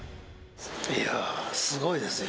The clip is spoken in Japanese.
いやー、すごいですよ。